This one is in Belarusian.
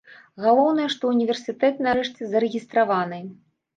Галоўнае, што ўніверсітэт нарэшце зарэгістраваны.